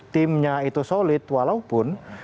timnya itu solid walaupun